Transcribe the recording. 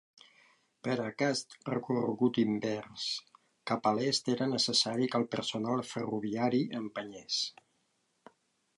Per a aquest recorregut invers cap a l'est era necessari que el personal ferroviari empenyés.